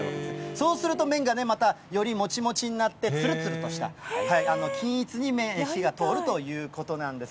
そうすると、麺がね、またよりもちもちになって、つるつるとした均一に麺に火が通るということなんです。